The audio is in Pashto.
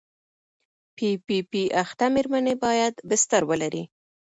پي پي پي اخته مېرمنې باید بستر ولري.